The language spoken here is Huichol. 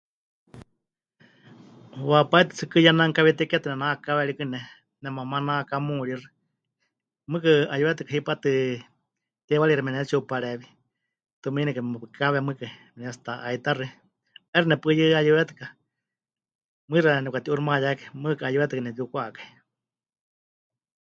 Waapai tɨ tsɨ kɨyé ne'anukawiitéketɨ nenakáwe rikɨ ne, nemamá nakamuuríxɨ, mɨɨkɨ 'ayɨwekatɨka hipátɨ teiwarixi mepɨnetsi'upareewi, tumiinikɨ mepukáwe mɨɨkɨ mepɨnetsi'uta'aitaxɨ, 'aixɨ nepuyɨ 'ayɨwekatɨka, mɨixa nepɨkati'uuximayákai mɨɨkɨkɨ 'ayɨwekatɨka nepɨtiukwá'akai.